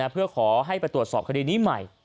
เพื่อขอให้ไปตรวจสอบคดีนี้ใหม่